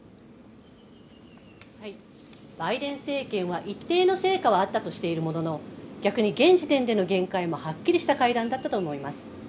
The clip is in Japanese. バイデン政権は一定の成果はあったとしているものの、逆に現時点での限界もはっきりした会談だったと思います。